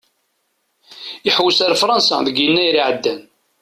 Ihewwes ar Fransa deg Yennayer iɛeddan.